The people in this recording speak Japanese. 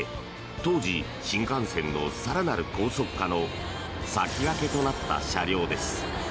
当時、新幹線の更なる高速化の先駆けとなった車両です。